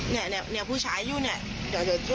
เนี่ยผู้ชายอยู่เนี่ย